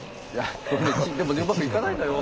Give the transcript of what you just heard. でもねうまくいかないのよ。